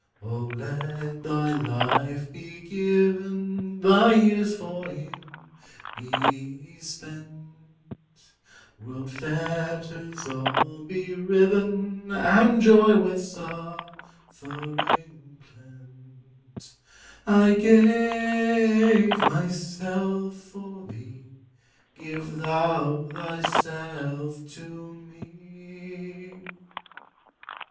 Oh, let thy life be given, Thy years for him be spent, World fetters all be riven, And joy with suffering blent; I gave myself for thee: Give thou thyself to me!